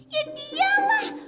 ya dia lah